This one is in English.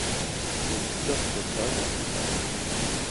It's just that I never have.